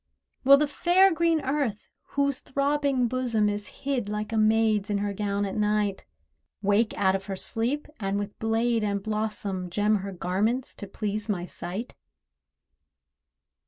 Will the fair green Earth, whose throbbing bosom Is hid like a maid's in her gown at night, Wake out of her sleep, and with blade and blossom Gem her garments to please my sight?